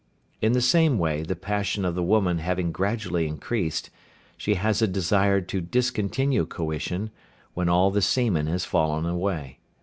In the same way the passion of the woman having gradually increased, she has a desire to discontinue coition, when all the semen has fallen away.